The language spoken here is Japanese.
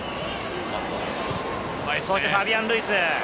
そしてファビアン・ルイス。